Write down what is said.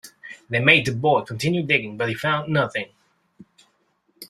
They made the boy continue digging, but he found nothing.